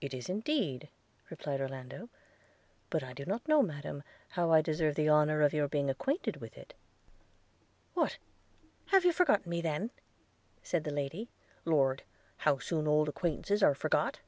'It is, indeed,' replied Orlando; 'but I do not know, Madam, how I deserve the honour of your being acquainted with it.' 'What! have you forgot me then?' said the lady: 'Lord! How soon old acquaintances are forgot!'